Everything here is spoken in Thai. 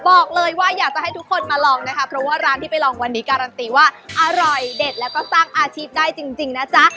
บอกเลยว่าอยากจะให้ทุกคนมาลองนะคะเพราะว่าร้านที่ไปลองวันนี้การันตีว่าอร่อยเด็ดแล้วก็สร้างอาชีพได้จริงนะจ๊ะ